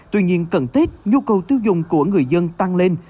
tuy nhiên cận tết nhu cầu tiêu dùng của người dân tăng lên